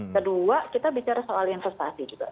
kedua kita bicara soal investasi juga